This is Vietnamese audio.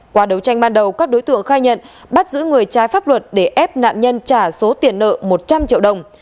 qua đấu tranh ban đầu các đối tượng khai nhận bắt giữ người trái pháp luật để ép nạn nhân trả số tiền nợ một trăm linh triệu đồng